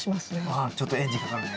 うんちょっとエンジンかかるね。